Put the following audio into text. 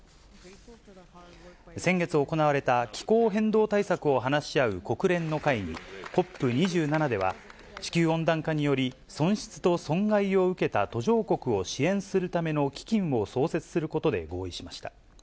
先月行われた気候変動対策を話し合う国連の会議・ＣＯＰ２７では、地球温暖化により、損失と損害を受けた途上国を支援するための基金を創設することで合意しました。